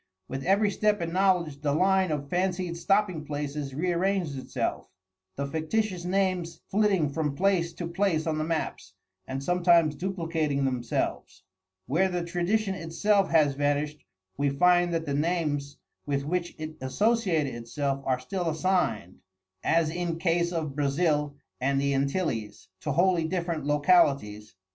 With every step in knowledge the line of fancied stopping places rearranged itself, the fictitious names flitting from place to place on the maps, and sometimes duplicating themselves. Where the tradition itself has vanished we find that the names with which it associated itself are still assigned, as in case of Brazil and the Antilles, to wholly different localities.